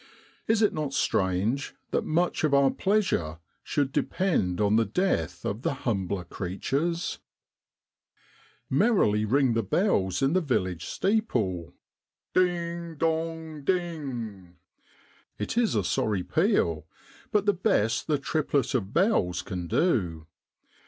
Is it not strange that much of our pleasure should depend on the death of the humbler creatures ? Merrily ring the bells in the village steeple. Ding dong ding! It is a sorry peal, but the best the triplet of bells can do.